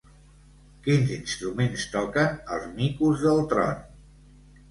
Quins instruments toquen els micos del tron?